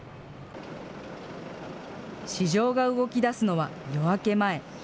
市場が動き出すのは、夜明け前。